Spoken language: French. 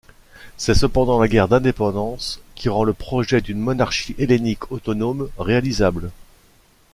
C'est cependant la Guerre d'indépendance qui rend le projet d'une monarchie hellénique autonome réalisable.